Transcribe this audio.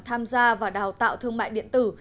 tham gia và đào tạo thương mại điện tử